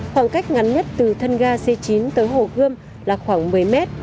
khoảng cách ngắn nhất từ thân ga c chín tới hồ gươm là khoảng một mươi mét